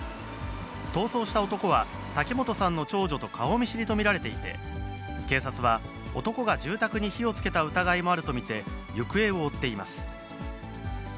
逃走した男は、滝本さんの長女と顔見知りと見られていて、警察は、男が住宅に火をつけた疑いもあると見て、行方を追っています。